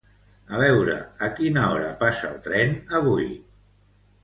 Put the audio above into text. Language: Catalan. A veure a quina hora passa el tren avui